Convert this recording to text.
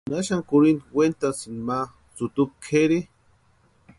¿Naxani kurhinta wentasïni ma sutumpu kʼeri?